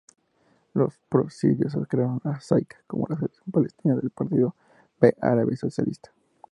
Los pro-sirios, crearon "As-Saika" como la sección palestina del Partido Baaz Árabe y Socialista.